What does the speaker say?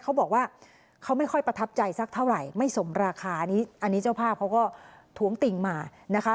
เขาบอกว่าเขาไม่ค่อยประทับใจสักเท่าไหร่ไม่สมราคาอันนี้อันนี้เจ้าภาพเขาก็ท้วงติ่งมานะคะ